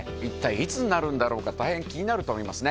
貘いつになるんだろうか大変気になると思いますね。